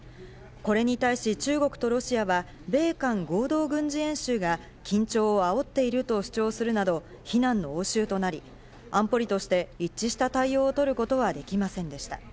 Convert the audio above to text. これに対し、中国とロシアは米韓合同軍事演習が緊張をあおっていると主張するなど、非難の応酬となり、安保理として一致した対応を取ることはできませんでした。